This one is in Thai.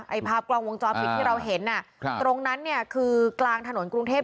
ภาพกล้องวงจรปิดที่เราเห็นอ่ะครับตรงนั้นเนี่ยคือกลางถนนกรุงเทพ